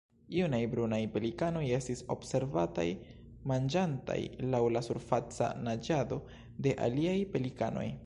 Junaj brunaj pelikanoj estis observataj manĝantaj laŭ la surfaca naĝado de aliaj pelikanoj.